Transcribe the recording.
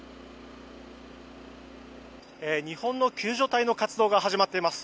日本の救助隊の活動が始まっています。